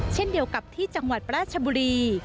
เช่นเดียวกับที่จังหวัดราชบุรี